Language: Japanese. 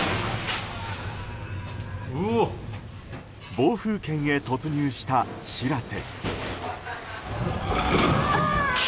暴風圏へ突入した「しらせ」。